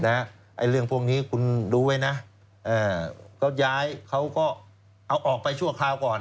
ไอ้เรื่องพวกนี้คุณดูไว้นะก็ย้ายเขาก็เอาออกไปชั่วคราวก่อน